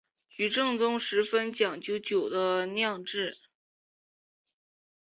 菊正宗十分讲究酒的酿制。